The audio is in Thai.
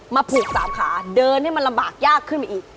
ผูกสามขาเดินให้มันลำบากยากขึ้นมาอีก